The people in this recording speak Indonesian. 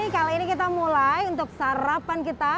kali ini kita mulai untuk sarapan kita